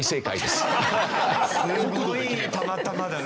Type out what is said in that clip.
すごいたまたまだね。